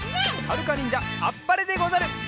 はるかにんじゃあっぱれでござる！